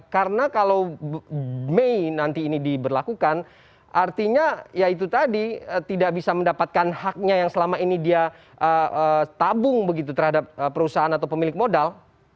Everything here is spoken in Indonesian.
karena kalau mei nanti ini diberlakukan artinya ya itu tadi tidak bisa mendapatkan haknya yang selama ini dia tabung begitu terhadap perusahaan atau pemilik modal